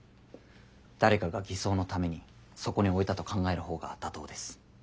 誰かが偽装のためにそこに置いたと考えるほうが妥当です。